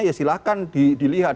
ya silahkan dilihat